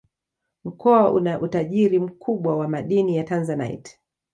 Mkoa una utajiri mkubwa wa madini ya Tanzanite